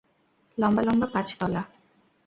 লম্বা লম্বা পাঁচ তলা।